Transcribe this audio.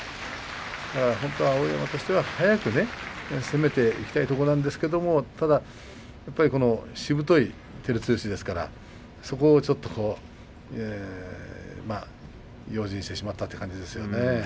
本当は碧山としては速く攻めていきたいところなんですけれどただ、しぶとい照強ですからそこをちょっと用心してしまったという感じですよね。